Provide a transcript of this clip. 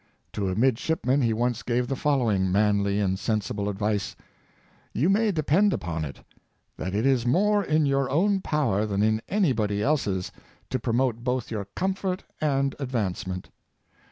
To a midshipman he once gave the following manly and sensible advice: " You may depend upon it, that it is more in your own power than in anybody else's to promote both your comfort and advancement.